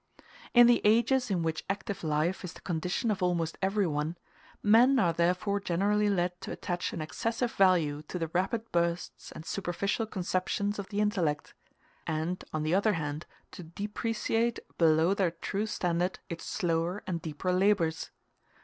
In the ages in which active life is the condition of almost everyone, men are therefore generally led to attach an excessive value to the rapid bursts and superficial conceptions of the intellect; and, on the other hand, to depreciate below their true standard its slower and deeper labors.